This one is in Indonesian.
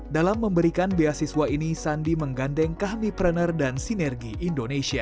dalam memberikan beasiswa ini sandi menggandeng kami prener dan sinergi indonesia